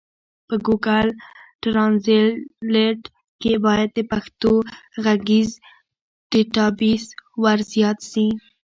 په ګوګل ټرانزلېټ کي بايد د پښتو ږغيز ډيټابيس ورزيات سي.